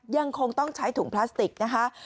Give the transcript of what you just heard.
ยังคงต้องใช้ถุงพลาสติกนะคะ